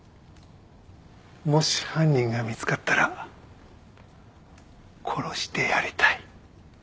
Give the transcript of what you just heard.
もし犯人が見つかったら「殺してやりたい」